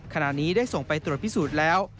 ขณะนี้ได้ส่งไปตรวจพิสูจน์แล้ว